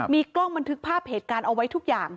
มีกล้องบันทึกภาพเหตุการณ์เอาไว้ทุกอย่าง